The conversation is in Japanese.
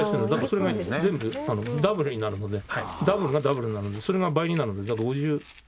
それが全部ダブルになるのでダブルがダブルになるのでそれが倍になるのでだから５０前後ですね。